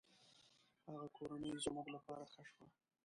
هغه کورنۍ زموږ له پاره ښه شوه.